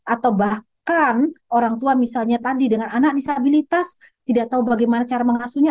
atau bahkan orang tua misalnya tadi dengan anak disabilitas tidak tahu bagaimana cara mengasuhnya